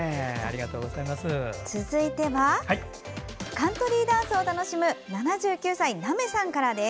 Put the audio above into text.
続いてはカントリーダンスを楽しむ７９歳、ナメさんからです。